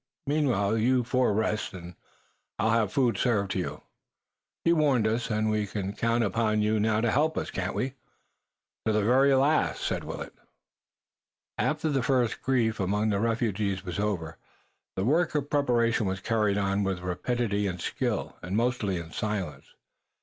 Meanwhile you four rest, and I'll have food served to you. You've warned us and we can count upon you now to help us, can't we?" "To the very last," said Willet. After the first grief among the refugees was over the work of preparation was carried on with rapidity and skill, and mostly in silence.